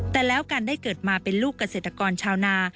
แต่แล้วการได้เกิดมาเป็นลูกเกษตรกรชาวนา